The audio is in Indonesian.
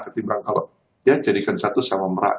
ketimbang kalau dia jadikan satu sama